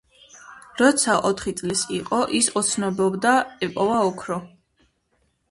როცა ოთხი წლის იყო, ის ოცნებობდა ეპოვა ოქრო.